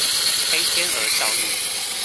黑天鵝效應